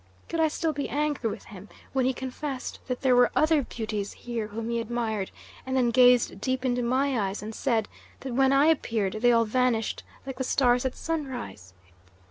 Could I still be angry with him, when he confessed that there were other beauties here whom he admired, and then gazed deep into my eyes and said that when I appeared they all vanished like the stars at sunrise?